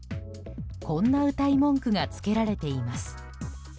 こんな、うたい文句がつけられています。